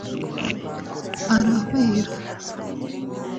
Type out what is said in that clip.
arahwera